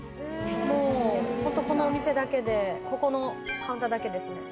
もうホントこのお店だけでここのカウンターだけですね